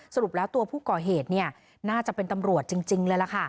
สรุปแล้วตัวผู้ก่อเหตุน่าจะเป็นตำรวจจริงเลยล่ะค่ะ